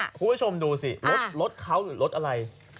คุณผู้ชมดูสิรถเขาหรือรถอะไร